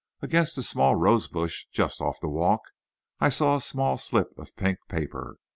Against a small rosebush, just off the walk, I saw a small slip of pink paper.